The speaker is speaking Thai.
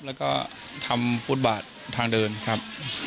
แล้วก็ทำฟุตบาททางเดินครับ